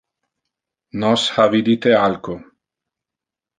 Nos ha vidite alco.